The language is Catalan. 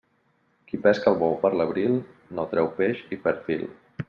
Qui pesca el bou per l'abril, no treu peix i perd fil.